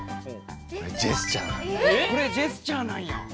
これジェスチャーなんです。